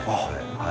はい。